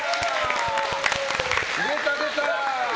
出た、出た！